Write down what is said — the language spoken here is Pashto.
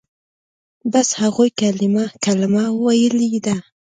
بس هغوى کلمه ويلې ده.